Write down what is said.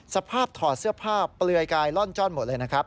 ถอดเสื้อผ้าเปลือยกายล่อนจ้อนหมดเลยนะครับ